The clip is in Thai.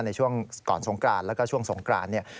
ในช่วงก่อนสงกรานแล้วก็ช่วงสงกรานเนี่ย